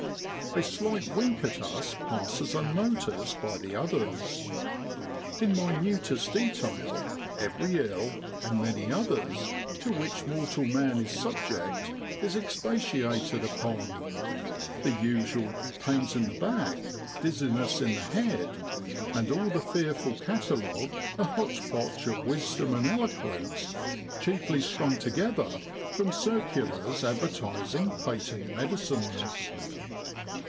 A slight wink at us passes unnoticed by the others. In minutest detail, every ill, and many others, to which mortal man is subject is expatiated upon the usual ' pains in the back, dizziness in the head,' and all the fearful catalogue a hotch potch of wisdom and eloquence, chiefly strung together from circulars advertising patent medicines.